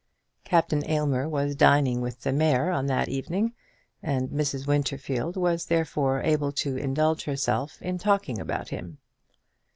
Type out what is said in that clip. Captain Aylmer was dining with the mayor on that evening, and Mrs. Winterfield was therefore able to indulge herself in talking about him.